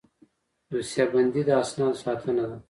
دوسیه بندي د اسنادو ساتنه ده